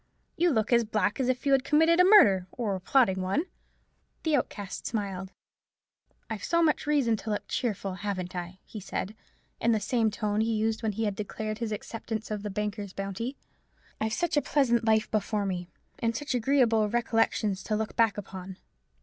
You look as black as if you had committed a murder, or were plotting one." The Outcast smiled. "I've so much reason to look cheerful, haven't I?" he said, in the same tone he had used when he had declared his acceptance of the banker's bounty. "I've such a pleasant life before me, and such agreeable recollections to look back upon.